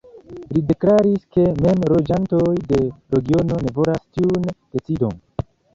Li deklaris ke mem loĝantoj de regiono ne volas tiun decidon.